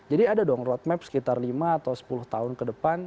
jadi ada dong road map sekitar lima atau sepuluh tahun ke depan